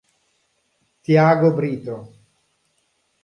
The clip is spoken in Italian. Tiago Brito